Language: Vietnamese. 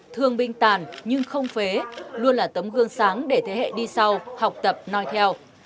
thương binh tàn nhưng không phế luôn là tấm gương sáng để thế hệ đi sau học tập nói theo